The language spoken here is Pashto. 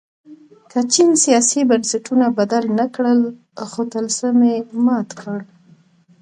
که چین سیاسي بنسټونه بدل نه کړل خو طلسم یې مات کړ.